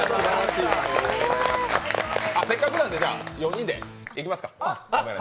せっかくなんで、４人でいきますか。